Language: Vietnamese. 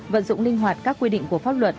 vận dụng linh hoạt các quy định của pháp luật